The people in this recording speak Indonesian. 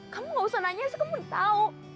kamu nggak usah nanya sih kamu tahu